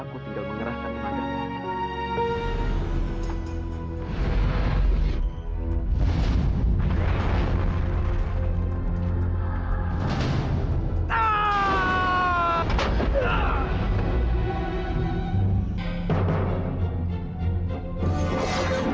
aku tinggal mengerahkan tanganmu